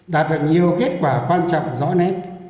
đạt được nhiều kết quả quan trọng rõ nét